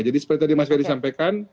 jadi seperti tadi mas ferry sampaikan